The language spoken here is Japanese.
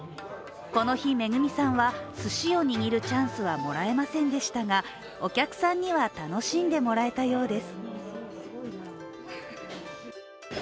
この日、恵さんはすしを握るチャンスはもらえませんでしたがお客さんには楽しんでもらえたようです。